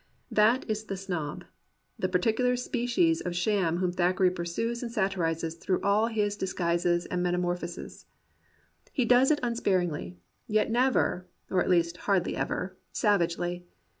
That is the snob: the particular species of sham whom Thackeray pursues and satirizes through all 116 THACKERAY AND REAL MEN his disguises and metamorphoses. He does it un sparingly, yet never — or at least hardly ever savagely.